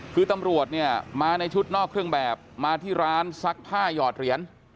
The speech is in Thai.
คือตำรวจเนี่ยมาในชุดนอกเครื่องแบบมาที่ร้านซักผ้าหยอดเหรียญ